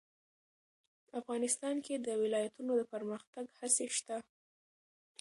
افغانستان کې د ولایتونو د پرمختګ هڅې شته.